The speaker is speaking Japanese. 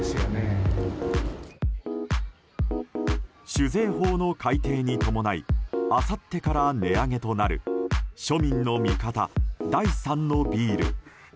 酒税法の改定に伴いあさってから値上げとなる庶民の味方、第３のビール。